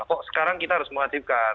kok sekarang kita harus mengasibkan